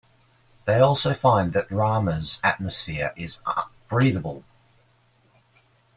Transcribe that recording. They also find that Rama's atmosphere is breathable.